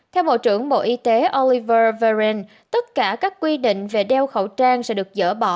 theo bộ trưởng bộ y tế oliveren tất cả các quy định về đeo khẩu trang sẽ được dỡ bỏ